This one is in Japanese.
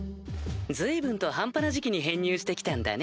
随分と半端な時期に編入してきたんだね。